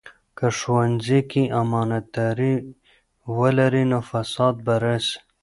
که ښوونځي کې امانتداري ولري، نو فساد به راسي.